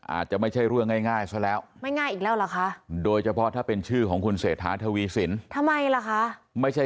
อาจจะไม่ใช่เรื่องง่ายซะแล้วไม่ง่ายอีกแล้วหรอค่ะ